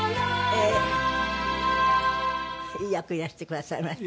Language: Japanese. よくいらしてくださいました。